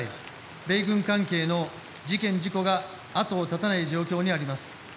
米軍関係の事件・事故が後を絶たない状況にあります。